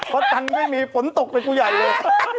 พอจันทร์ไม่มีฝนตกเลยกูใหญ่เลย